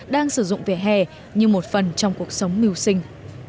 đang sử dụng vỉa hè như một phần trong cuộc sống mưu sinh